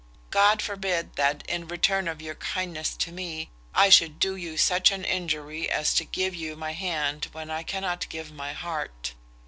God forbid that, in return of your kindness to me, I should do you such an injury as to give you my hand when I cannot give my heart.